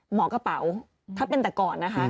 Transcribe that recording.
หมอกระเป๋าถ้าเป็นแต่ก่อนนะคะ